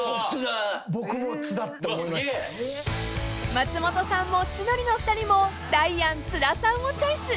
［松本さんも千鳥の２人もダイアン津田さんをチョイス］